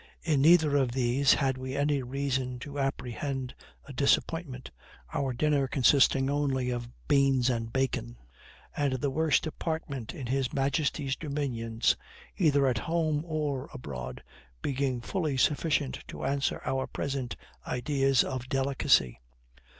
In neither of these had we any reason to apprehend a disappointment, our dinner consisting only of beans and bacon; and the worst apartment in his majesty's dominions, either at home or abroad, being fully sufficient to answer our present ideas of delicacy.